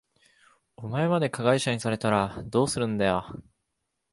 お前まで加害者にされたらどうするんだよ。